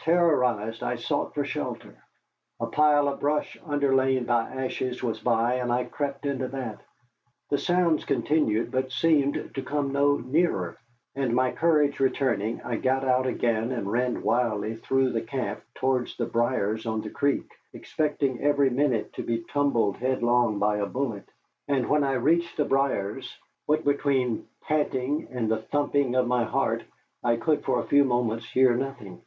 Terrorized, I sought for shelter. A pile of brush underlain by ashes was by, and I crept into that. The sounds continued, but seemed to come no nearer, and my courage returning, I got out again and ran wildly through the camp toward the briers on the creek, expecting every moment to be tumbled headlong by a bullet. And when I reached the briers, what between panting and the thumping of my heart I could for a few moments hear nothing.